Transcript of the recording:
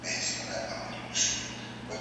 د بې عقل جواب سکوت دئ ,